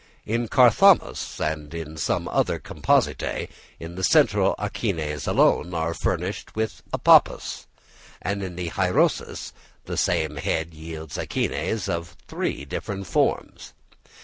In Carthamus and some other Compositæ the central achenes alone are furnished with a pappus; and in Hyoseris the same head yields achenes of three different forms.